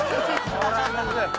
これはむずい！